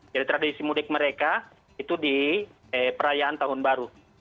jadi tradisi mudik mereka itu di perayaan tahun baru